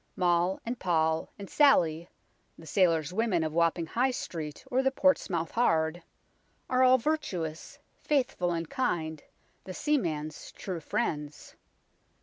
Mog and Poll and Sally the sailors' women of Wapping High Street or the Portsmouth Hard are all virtuous, faithful and kind, the seaman's true friends.